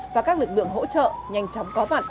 và các lực lượng hỗ trợ nhanh chóng có mặt